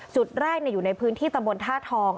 จุดแรกอยู่ในพื้นที่ตำบลท่าทอง